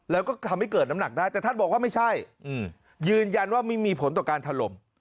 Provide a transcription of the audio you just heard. แล้วก็ทำให้เกิดน้ำหนักได้แต่ท่านบอกว่าไม่ใช่ยืนยันว่าไม่มีผลต่อการถล่ม